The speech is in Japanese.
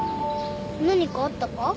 何かあったか？